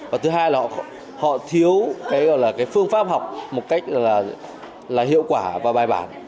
và thứ hai là họ thiếu cái gọi là cái phương pháp học một cách là hiệu quả và bài bản